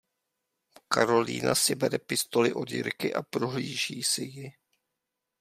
Karolína si bere pistoli od Jirky a prohlíží si ji.